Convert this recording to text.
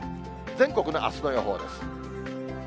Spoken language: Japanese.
全国のあすの予報です。